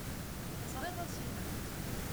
Teẓriḍ a Sima.